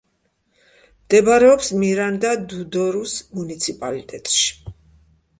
მდებარეობს მირანდა-დუ-დორუს მუნიციპალიტეტში.